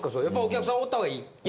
やっぱりお客さんおった方がいい？